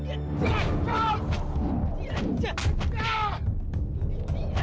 aduh makasih ya